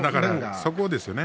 そこですよね。